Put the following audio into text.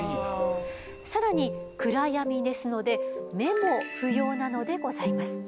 更に暗闇ですので目も不要なのでございます。